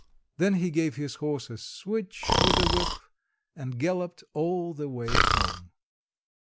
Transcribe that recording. Then he gave his horse a switch with the whip, and galloped all the way home.